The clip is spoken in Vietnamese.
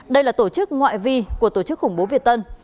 đây là tổ chức ngoại vi của tổ chức khủng bố việt tân